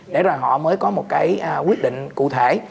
để rồi họ mới có một cái quyết định cụ thể